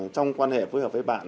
trong quan hệ với bạn